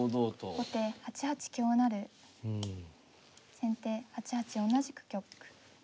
先手８八同じく玉。